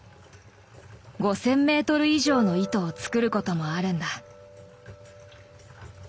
５，０００メートル以上の糸を作ることもあるんだ。